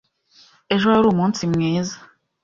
Ejo wari umunsi mwiza.